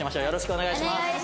よろしくお願いします。